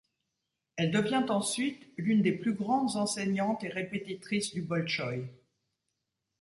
Elle devient ensuite l'une des plus grandes enseignantes et répétitrices du Bolchoï.